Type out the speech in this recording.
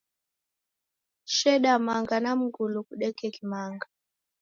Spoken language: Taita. Sheda manga na mngulu kudeke Kimanga.